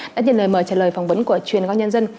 đã nhận lời mời trả lời phỏng vấn của truyền quang nhân dân